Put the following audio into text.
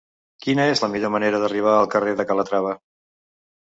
Quina és la millor manera d'arribar al carrer de Calatrava?